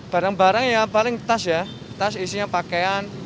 barang barang ya paling tas ya tas isinya pakaian